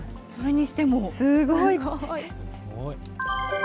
すごい。